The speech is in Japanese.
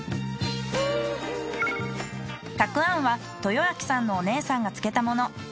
たくあんは豊明さんのお姉さんが漬けたもの。